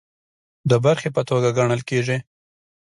د برخې په توګه ګڼل کیږي